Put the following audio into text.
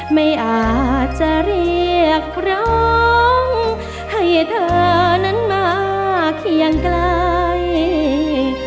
ไม่อาจจะเรียกร้องให้เธอนั้นมาเคียงไกล